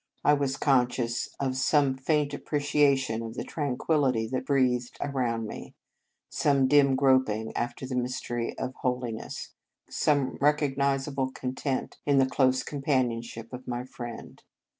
I was conscious of some faint appreciation of the tranquillity that breathed around me, some dim groping after the mys tery of holiness, some recognizable content in the close companionship of my friend.